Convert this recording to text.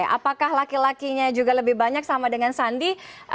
apakah laki lakinya juga lebih banyak sama dengan sandi